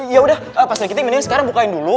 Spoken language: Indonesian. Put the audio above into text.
yaudah pak sri kiti mendingan sekarang bukain dulu